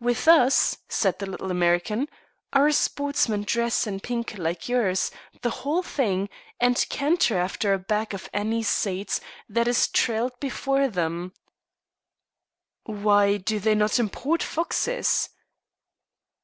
"With us," said the little American, "our sportsmen dress in pink like yours the whole thing and canter after a bag of anise seed that is trailed before them." "Why do they not import foxes?"